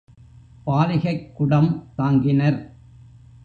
பாலிகைக் குடம் தாங்கினர்.